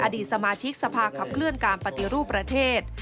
อดีตสมาชิกสภาขับเคลื่อนการปฏิรูปประเทศ